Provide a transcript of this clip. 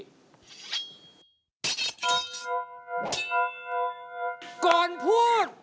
ก่อนพูด